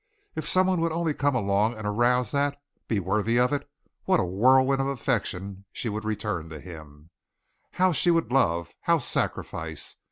If someone would only come along and arouse that be worthy of it what a whirlwind of affection she would return to him! How she would love, how sacrifice!